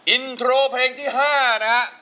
อินโทรเพลงที่๕นะฮะ